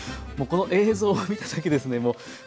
もうこの映像を見ただけでですね